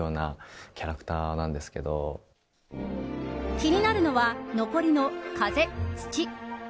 気になるのは残りの風、土。